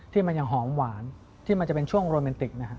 ที่มันยังหอมหวานที่มันจะเป็นช่วงโรแมนติกนะครับ